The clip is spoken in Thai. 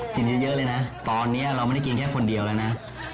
กินเยอะเลยนะตอนนี้เราไม่ได้กินแค่คนเดียวแล้วนะ